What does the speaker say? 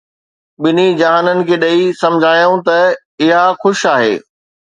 ٻنهي جهانن کي ڏئي، سمجهيائون ته اها خوش آهي